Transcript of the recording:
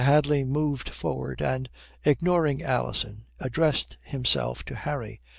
Hadley moved forward, and, ignoring Alison, addressed himself to Harry.